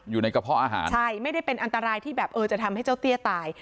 อยู่ในกระเพาะอาหารใช่ไม่ได้เป็นอันตรายที่แบบเออจะทำให้เจ้าเตี้ยตาย